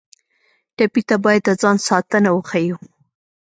ټپي ته باید د ځان ساتنه وښیو.